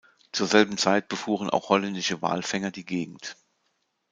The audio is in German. Zur selben Zeit befuhren auch holländische Walfänger die Gegend.